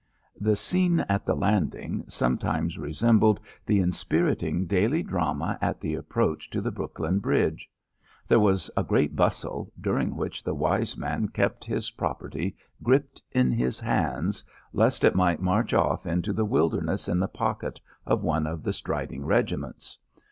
The scene at the landing sometimes resembled the inspiriting daily drama at the approach to the Brooklyn Bridge. There was a great bustle, during which the wise man kept his property gripped in his hands lest it might march off into the wilderness in the pocket of one of the striding regiments.